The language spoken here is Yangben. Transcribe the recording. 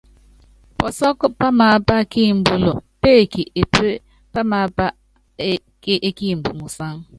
Pɔsɔ́k pámaapá kí imbɔ́l péeki epé pám aápá é kiimb musáŋ.